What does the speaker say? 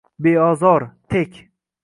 Beozor, tek